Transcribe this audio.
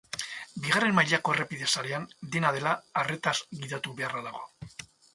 Bigarren mailako errepide sarean, dena dela, arretaz gidatu beharra dago.